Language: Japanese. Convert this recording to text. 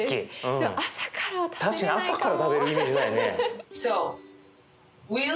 確かに朝から食べるイメージないね。